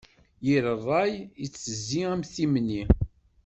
Yir ṛṛay itezzi am timni.